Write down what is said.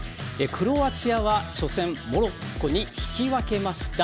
クロアチアは初戦、モロッコに引き分けました。